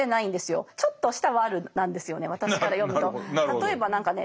例えば何かね